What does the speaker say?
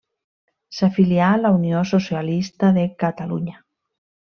S'afilià a la Unió Socialista de Catalunya.